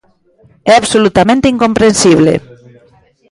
É absolutamente incomprensible.